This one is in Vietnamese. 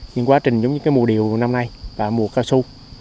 những quá trình giống như cái mùa điều năm nay và mùa cao su